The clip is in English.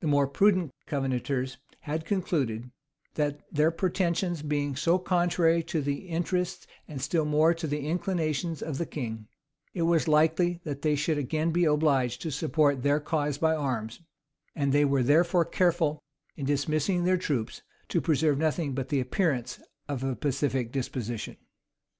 The more prudent Covenanters had concluded, that their pretensions being so contrary to the interests, and still more to the inclinations, of the king, it was likely that they should again be obliged to support their cause by arms; and they were therefore careful, in dismissing their troops, to preserve nothing but the appearance of a pacific disposition.